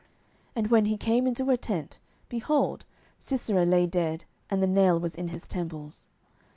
And when he came into her tent, behold, Sisera lay dead, and the nail was in his temples.